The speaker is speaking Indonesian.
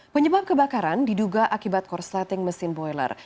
penyebab kebakaran diduga akibat korsleting mesin boiler